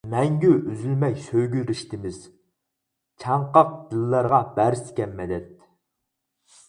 مەڭگۈ ئۈزۈلمەي سۆيگۈ رىشتىمىز، چاڭقاق دىللارغا بەرسىكەن مەدەت.